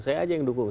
saya aja yang dukung